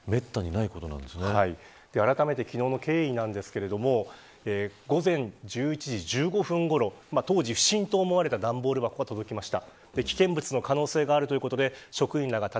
あらためて昨日の経緯なんですけれども午前１１時１５分ごろ当時、不審と思われる段ボール箱が届きました。